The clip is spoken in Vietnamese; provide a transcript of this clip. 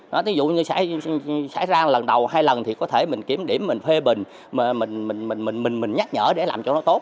nói ví dụ như xảy ra lần đầu hai lần thì có thể mình kiểm điểm mình phê bình mình nhắc nhở để làm cho nó tốt